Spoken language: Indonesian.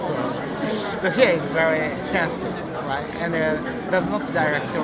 untuk ini sangat sensitif dan tidak menggunakan direktur